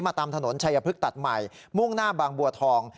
ตามถนนชัยพฤกษ์ตัดใหม่มุ่งหน้าบางบัวทอง